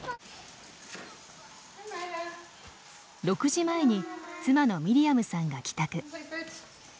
６時前に妻のミリアムさんが帰宅。